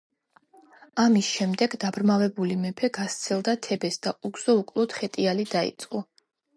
ამის შემდეგ დაბრმავებული მეფე გასცილდა თებეს და უგზო–უკვლოდ ხეტიალი დაიწყო.